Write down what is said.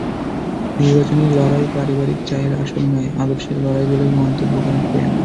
নির্বাচনী লড়াই পারিবারিক চায়ের আসর নয়, আদর্শের লড়াই বলেও মন্তব্য করেন প্রিয়াঙ্কা।